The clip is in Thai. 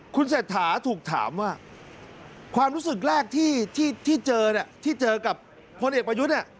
คุณเศรษฐาถูกถามว่าความรู้สึกแรกที่เจอกับผลเอกประยุทธ์